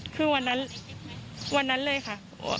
คือวันนั้นวันนั้นเลยค่ะ